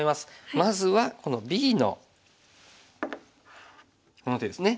まずはこのＢのこの手ですね。